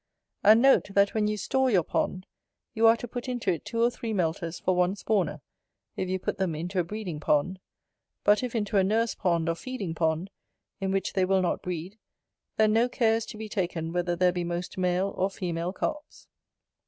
And note, that when you store your pond, you are to put into it two or three melters for one spawner, if you put them into a breeding pond; but if into a nurse pond, or feeding pond, in which they will not breed, then no care is to be taken whether there be most male or female Carps.